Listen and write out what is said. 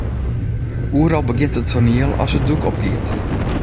Oeral begjint it toaniel as it doek opgiet.